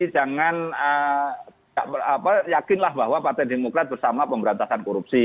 jangan yakinlah bahwa partai demokrat bersama pemberantasan korupsi